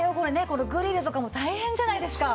このグリルとかも大変じゃないですか。